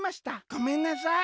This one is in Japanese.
『ごめんなさい』。